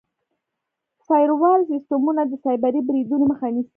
فایروال سیسټمونه د سایبري بریدونو مخه نیسي.